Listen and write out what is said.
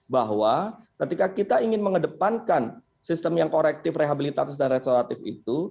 bahwa ketika kita ingin mengedepankan sistem yang korektif rehabilitatif dan restoratif itu